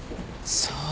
そう。